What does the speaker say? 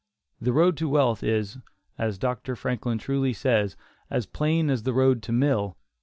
The road to wealth is, as Dr. Franklin truly says, "as plain as the road to mill."